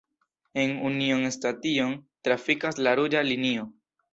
En Union Station trafikas la ruĝa linio.